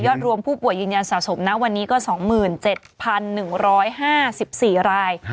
รวมผู้ป่วยยืนยันสะสมนะวันนี้ก็๒๗๑๕๔ราย